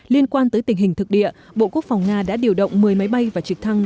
liên quan tới tình hình thực địa bộ quốc phòng nga đã điều động một mươi máy bay và trực thăng